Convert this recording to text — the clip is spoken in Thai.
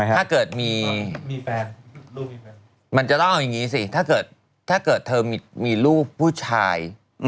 ถ้าเกิดมีแฟนมันจะต้องเอาอย่างนี้สิถ้าเกิดเธอมีลูกผู้ชาย